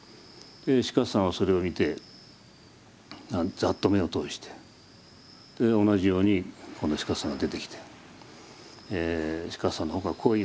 知客さんはそれを見てざっと目を通して同じように今度は知客さんが出てきて知客さんの方がこう言います。